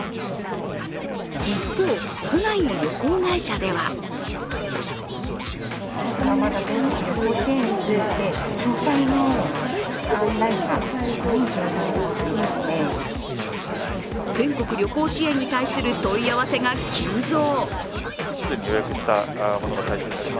一方、都内の旅行会社では全国旅行支援に対する問い合わせが急増。